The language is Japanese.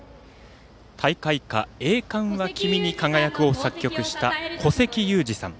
大会歌「栄冠は君に輝く」を作曲した古関裕而さん。